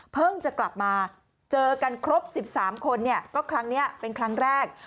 จะกลับมาเจอกันครบ๑๓คนก็ครั้งนี้เป็นครั้งแรก